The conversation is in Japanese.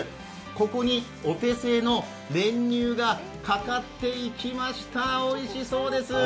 ここにお手製の練乳がかかっていきました、おいしそうです。